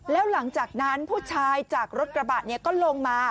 แล้วหลังจากนั้นผู้ชายจากรถกระบะก็ลงมา